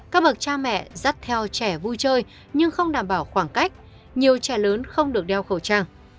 các bậc cha mẹ dắt theo trẻ vui chơi nhưng không đảm bảo khoảng cách nhiều trẻ lớn không được đeo khẩu trang